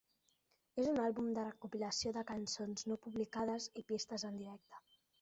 És un àlbum de recopilació de cançons no publicades i pistes en directe.